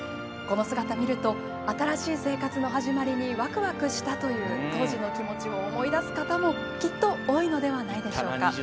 この姿を見ると新しい生活の始まりにワクワクしたという当時の気持ちを思い出す方もきっと多いのではないでしょうか。